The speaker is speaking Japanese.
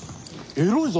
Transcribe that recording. エロいぞ。